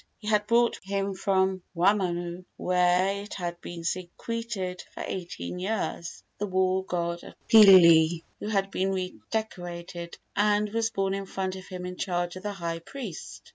He had brought with him from Waimanu, where it had been secreted for eighteen years, the war god of Pili, which had been redecorated, and was borne in front of him in charge of the high priest.